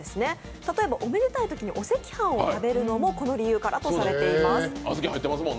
例えばおめでたいときにお赤飯を食べるのもこの理由からとされています。